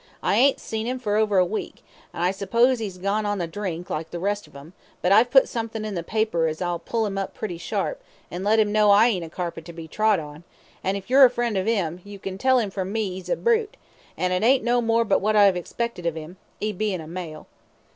"I ain't seen 'im for over a week, so I s'pose 'e's gone on the drink, like the rest of 'em, but I've put sumthin' in the paper as 'ill pull him up pretty sharp, and let 'im know I ain't a carpet to be trod on, an' if you're a friend of 'im, you can tell 'im from me 'e's a brute, an' it's no more but what I expected of 'im, 'e bein' a male."